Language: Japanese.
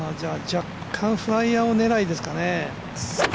若干フライヤー狙いですかね。